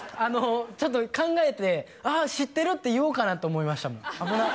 ちょっと考えて「ああ知ってる」って言おうかなと思いましたもん危なっ